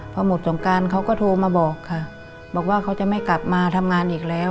พอหมดสงการเขาก็โทรมาบอกค่ะบอกว่าเขาจะไม่กลับมาทำงานอีกแล้ว